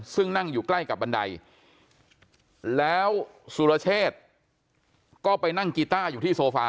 ซึ่งนั่งอยู่ใกล้กับบันไดแล้วสุรเชษก็ไปนั่งกีต้าอยู่ที่โซฟา